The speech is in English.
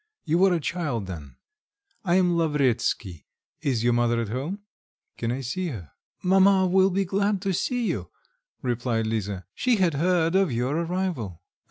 You were a child then. I am Lavretsky. Is your mother at home? Can I see her?" "Mamma will be glad to see you," replied Lisa; "she had heard of your arrival."